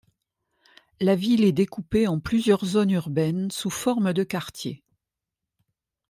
La ville est découpée en plusieurs zones urbaines sous formes de quartiers.